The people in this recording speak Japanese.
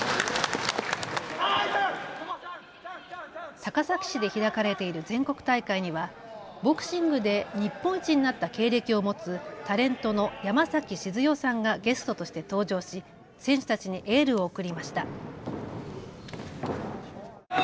高崎市で開かれている全国大会にはボクシングで日本一になった経歴を持つタレントの山崎静代さんがゲストとして登場し選手たちにエールを送りました。